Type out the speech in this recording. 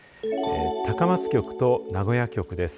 高松局と名古屋局です。